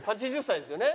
８０歳ですよね？